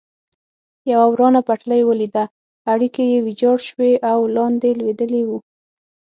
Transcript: یوه ورانه پټلۍ ولیده، اړیکي یې ویجاړ شوي او لاندې لوېدلي و.